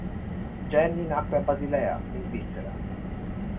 Jenny nacque a Basilea, in Svizzera.